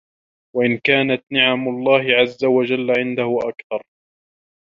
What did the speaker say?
وَإِنْ كَانَتْ نِعَمُ اللَّهِ عَزَّ وَجَلَّ عِنْدَهُ أَكْثَرَ